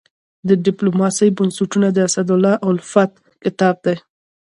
د ډيپلوماسي بنسټونه د اسدالله الفت کتاب دی.